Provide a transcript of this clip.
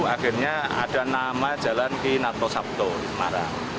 akhirnya ada nama jalan kinarto sabdo di semarang